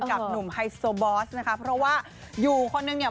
กับหนุ่มไฮโซบอสนะคะเพราะว่าอยู่คนนึงเนี่ย